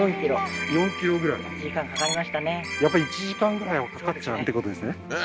４ｋｍぐらいやっぱ１時間ぐらいはかかっちゃうってことですねえ